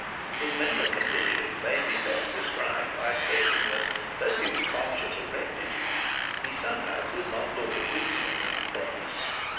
His mental condition may be best described by stating that, though he was conscious of rectitude, he somehow could not look a policeman in the face.